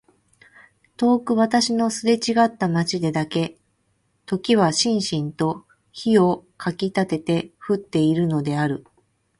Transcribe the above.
遠く私のすれちがった街でだけ時はしんしんと火をかきたてて降っているのである。